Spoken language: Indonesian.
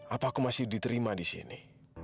apa aku masih diterima di sini